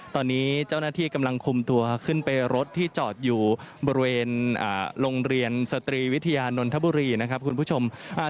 ตอนนี้เจ้าหน้าที่กำลังคุมตัวขึ้นไปรถที่จอดอยู่บริเวณอ่าโรงเรียนสตรีวิทยานนทบุรีนะครับคุณผู้ชมอ่า